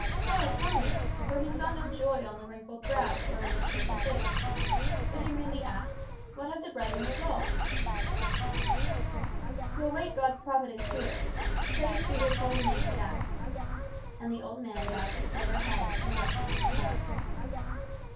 Carlos wondered; for he saw no joy on the wrinkled brow or in the tearful face. But he merely asked, "What have the brethren resolved?" "To await God's providence here. Praised be his holy name for that." And the old man bowed his silver head, and wept once more.